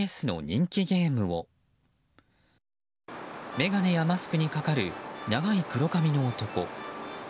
眼鏡やマスクにかかる長い黒髪の男。